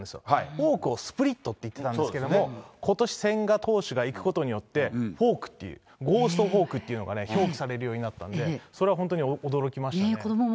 フォークをスプリットって言ってたんですけれども、ことし、千賀投手が行くことによって、フォークっていう、ゴーストフォークというのがね、表記されるようになったんで、それは本当に驚きましたね。